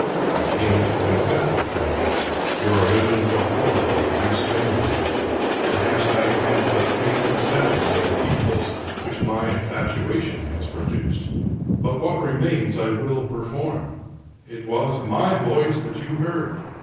" I came to confess the truth. Your allusions are hor rible and strange. Perhaps I have but faint conceptions of the evils which my infatuation has produced ; but what remains I will perform. It was my voice that you heard